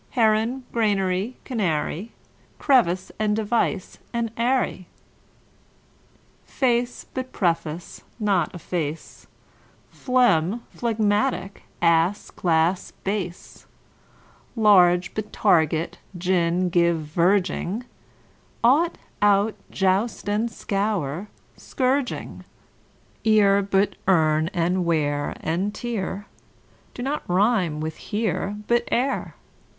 Heron; granary, canary; Crevice, and device, and eyrie; Face but preface, but efface, Phlegm, phlegmatic; ass, glass, bass; Large, but target, gin, give, verging; Ought, out, joust and scour, but scourging; Ear, but earn; and wear and tear Do not rime with "here", but "ere".